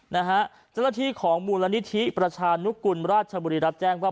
เจ้าหน้าที่ของมูลนิธิประชานุกุลราชบุรีรับแจ้งว่า